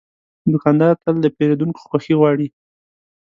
دوکاندار تل د پیرودونکو خوښي غواړي.